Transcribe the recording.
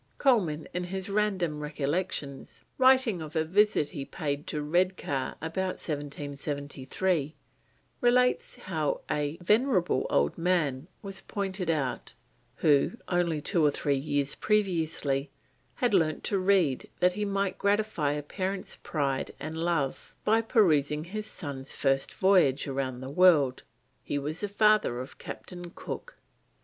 Colman in his Random Recollections, writing of a visit he paid to Redcar about 1773, relates how a venerable old man was pointed out who: "only two or three years previously had learnt to read that he might gratify a parent's pride and love by perusing his son's first voyage round the world. He was the father of Captain Cook."